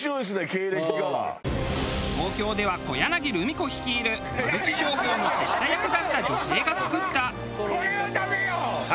東京では小柳ルミ子率いるマルチ商法の手下役だった女性が作った。